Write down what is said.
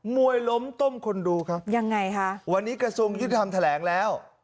ยล้มต้มคนดูครับยังไงคะวันนี้กระทรวงยุติธรรมแถลงแล้ว